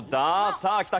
さあきた。